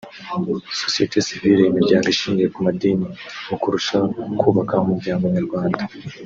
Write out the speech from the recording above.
sosiyete sivile n’imiryango ishingiye ku madini mu kurushaho kubaka Umuryango nyarwanda